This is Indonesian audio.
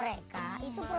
lah kan ini dua rumah kong